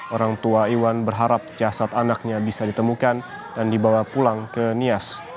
orang tua iwan berharap jasad anaknya bisa ditemukan dan dibawa pulang ke nias